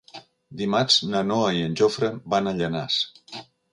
Dimarts na Noa i en Jofre van a Llanars.